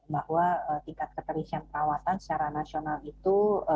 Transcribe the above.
bahwa tingkat keterisian perawatan secara nasional itu